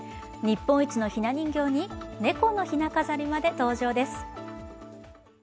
日本一のひな人形に猫のひな飾りまで登場です。